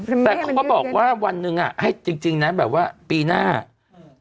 แต่เขาก็บอกว่าวันหนึ่งอ่ะให้จริงจริงนะแบบว่าปีหน้าอืม